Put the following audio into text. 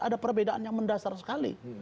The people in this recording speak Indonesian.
ada perbedaan yang mendasar sekali